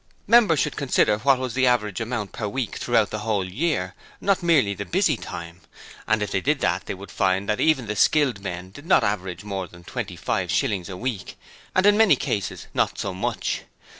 Members should consider what was the average amount per week throughout the whole year, not merely the busy time, and if they did that they would find that even the skilled men did not average more than 25/ a week, and in many cases not so much.